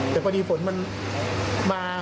แต่พอดีฝนมันมา